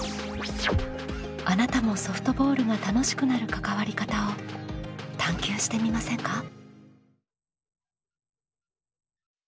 あなたもソフトボールが楽しくなる関わり方を探究してみませんか？